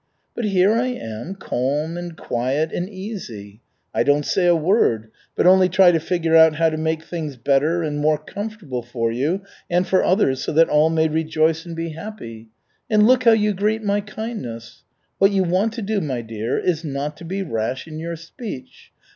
But here I am calm and quiet and easy. I don't say a word, but only try to figure out how to make things better and more comfortable for you and for others so that all may rejoice and be happy. And look how you greet my kindness! What you want to do, my dear, is not to be rash in your speech.